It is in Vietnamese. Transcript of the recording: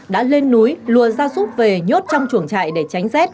đã lên núi lùa gia súc về nhốt trong chuồng trại để tránh rét